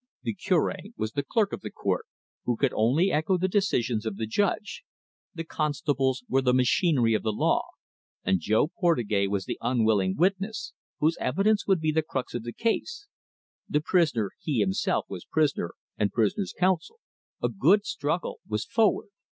The Cure was the clerk of the court, who could only echo the decisions of the Judge. The constables were the machinery of the Law, and Jo Portugais was the unwilling witness, whose evidence would be the crux of the case. The prisoner he himself was prisoner and prisoner's counsel. A good struggle was forward.